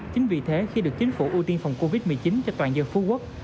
chính vì thế khi được chính phủ ưu tiên phòng covid một mươi chín cho toàn dân phú quốc